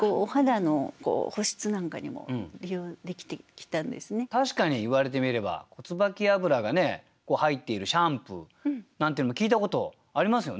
ちなみにこの平安時代から確かに言われてみれば椿油が入っているシャンプーなんていうのも聞いたことありますよね。